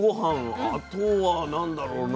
あとは何だろうな。